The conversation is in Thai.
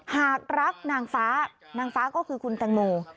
หากรักนางฟ้านางฟ้าก็คือคุณแตงโม